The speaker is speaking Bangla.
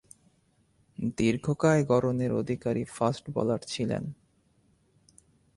দীর্ঘকায় গড়নের অধিকারী ফাস্ট বোলার ছিলেন।